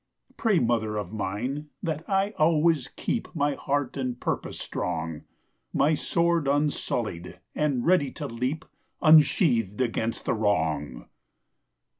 Pray, mother of mine, that I always keep My heart and purpose strong, My sword unsullied and ready to leap Unsheathed against the wrong.